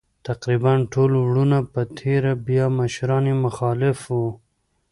تقریباً ټول وروڼه په تېره بیا مشران یې مخالف وو.